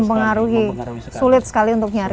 mempengaruhi sulit sekali untuk nyari